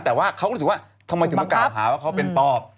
แต่ว่าเขาก็รู้สึกว่าทำไมถึงมากล่าวหาว่าเขาเป็นปอบ